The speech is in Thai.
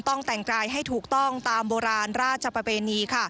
ต้องแต่งกายให้ถูกต้องตามโบราณราชประเพณี